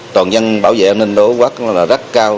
toàn dân bảo vệ an ninh đối quốc rất cao